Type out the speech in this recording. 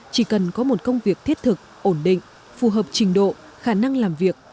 chỉ cần có một công việc thiết thực ổn định phù hợp trình độ khả năng làm việc